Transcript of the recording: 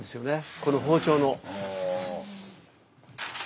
この包丁の。